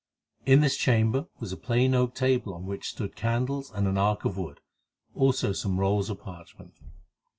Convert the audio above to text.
In this chamber was a plain oak table on which stood candles and an ark of wood, also some rolls of parchment.